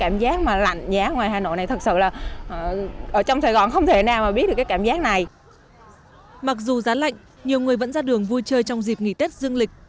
mặc dù giá lạnh nhiều người vẫn ra đường vui chơi trong dịp nghỉ tết dương lịch